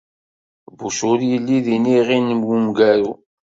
Bush ur yelli d iniɣi n wemgaru.